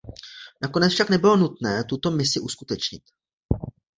Nakonec však nebylo nutné tuto misi uskutečnit.